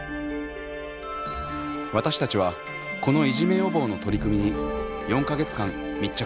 私たちはこのいじめ予防の取り組みに４か月間密着しました。